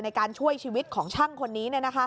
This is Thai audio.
ในการช่วยชีวิตของช่างคนนี้